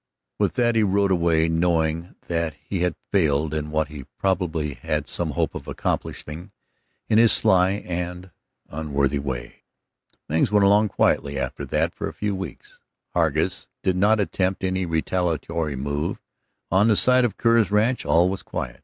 With that he rode away, knowing that he had failed in what he probably had some hope of accomplishing in his sly and unworthy way. Things went along quietly after that for a few weeks. Hargus did not attempt any retaliatory move; on the side of Kerr's ranch all was quiet.